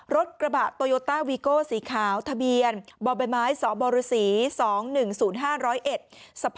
รถกระบะโตโยต้าวีโก้สีขาวทะเบียนบ่อใบไม้สบริษี๒๑๐๕๐๑